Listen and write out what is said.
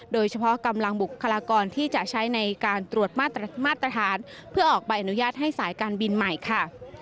กำลังบุคลากรที่จะใช้ในการตรวจมาตรฐานเพื่อออกใบอนุญาตให้สายการบินใหม่ค่ะ